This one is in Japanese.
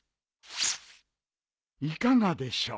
いかがでしょう？